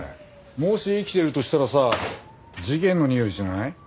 もし生きてるとしたらさ事件のにおいしない？